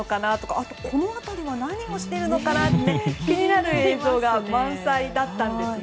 あとは、この辺りは何をしているのかと気になる映像が満載だったんですが。